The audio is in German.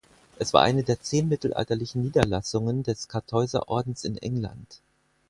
Es war eine der zehn mittelalterlichen Niederlassungen des Kartäuserordens in England.